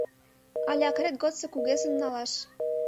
Але акрет годсо кугезым налаш.